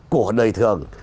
của đời thường